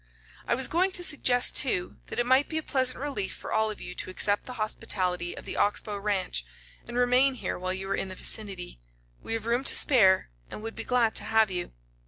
"I was going to suggest, too, that it might be a pleasant relief for all of you to accept the hospitality of the Ox Bow ranch and remain here while you are in the vicinity. We have room to spare and would be glad to have you."